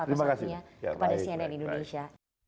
atau seorang lainnya kepada cnn indonesia